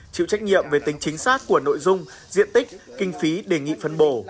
chịu trách nhiệm về tính chính xác của nội dung diện tích kinh phí đề nghị phân bổ